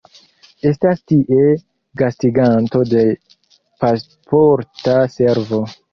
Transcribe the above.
Estas tie gastiganto de Pasporta Servo.